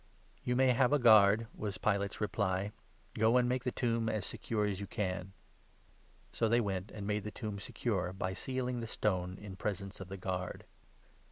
"You may have a guard," was Pilate's reply; "go and 65 make the tomb as secure as you can." So they went and made the tomb secure, by sealing the stone, 66 in presence of the guard.